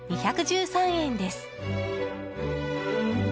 ２１３円です。